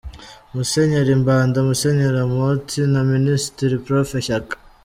Musenyeri Mbanda, Musenyeri Amooti na Minisitiri Prof Shyaka.